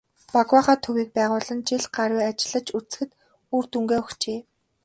"Багваахай" төвийг байгуулан жил гаруй ажиллаж үзэхэд үр дүнгээ өгчээ.